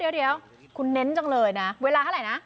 เดี๋ยวคุณเน้นจังเลยนะเวลาเท่าไหร่นะ